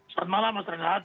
selamat malam mas renat